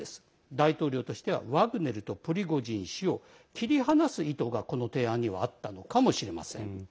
大統領としてはワグネルとプリゴジン氏を切り離す意図がこの提案にあったのかもしれません。